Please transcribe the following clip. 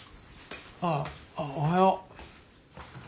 ああおはよう。